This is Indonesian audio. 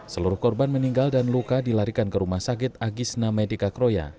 seluruh korban meninggal dan luka dilarikan ke rumah sakit agisna medika kroya